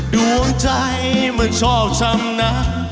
ดวงใจมันชอบทำนะ